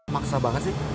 maksa banget sih